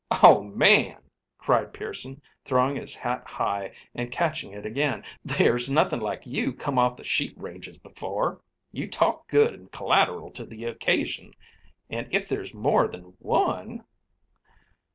"Oh, man!" cried Pearson, throwing his hat high and catching it again, "there's nothing like you come off the sheep ranges before. You talk good and collateral to the occasion. And if there's more than one?"